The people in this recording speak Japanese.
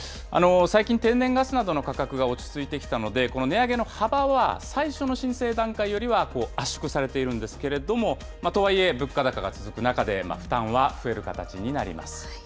最近、天然ガスなどの価格が落ち着いてきたので、この値上げの幅は、最初の申請段階よりは圧縮されているんですけれども、とはいえ物価高が続く中で、負担は増える形になります。